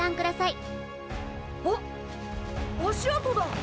あっ足跡だ！